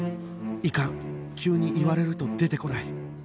いかん急に言われると出てこない